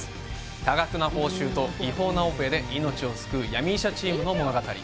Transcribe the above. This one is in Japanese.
多額な報酬と違法なオペで命を救う闇医者チームの物語